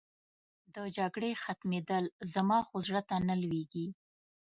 د جګړې ختمېدل، زما خو زړه ته نه لوېږي.